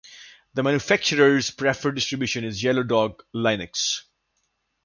The manufacturer's preferred distribution is Yellow Dog Linux.